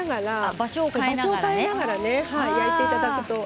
場所を変えながら焼いていただくと。